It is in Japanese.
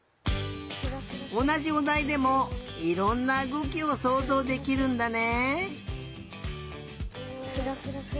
おなじおだいでもいろんなうごきをそうぞうできるんだね。